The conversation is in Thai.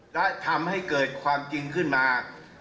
และทำให้เกิดความจริงขึ้นมา